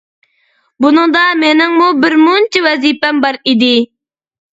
بۇنىڭدا مېنىڭمۇ بىر مۇنچە ۋەزىپەم بار ئىدى.